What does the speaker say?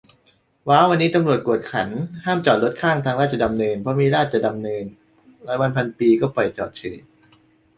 ว้าว วันนี้ตำรวจกวดขัน ห้ามจอดรถข้างทางราชดำเนิน เพราะมีราชจะดำเนิน ร้อยวันพันปีก็ปล่อยจอดเฉย